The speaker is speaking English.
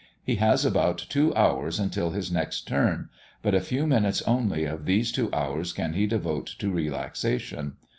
He has about two hours until his next turn, but a few minutes only of these two hours can he devote to relaxation.